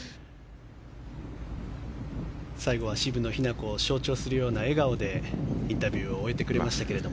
最後は渋野日向子を象徴するような笑顔でインタビューを終えてくれましたけど。